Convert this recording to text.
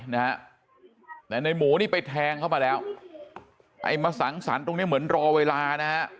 นะฮะแต่ในหมูนี่ไปแทงเข้ามาแล้วไอ้มาสังสรรค์ตรงเนี้ยเหมือนรอเวลานะฮะ